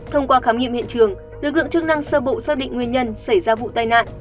thông qua khám nghiệm hiện trường lực lượng chức năng sơ bộ xác định nguyên nhân xảy ra vụ tai nạn